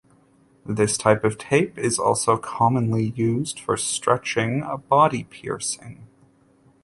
This type of tape is also commonly used for stretching a body piercing.